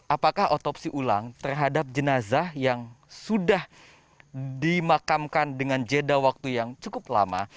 apakah otopsi ulang terhadap jenazah yang sudah dimakamkan dengan jeda waktu yang cukup lama